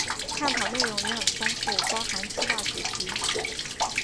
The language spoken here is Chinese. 探讨内容也很丰富，包含七大主题